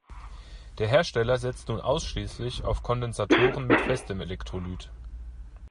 Der Hersteller setzt nun ausschließlich auf Kondensatoren mit festem Elektrolyt.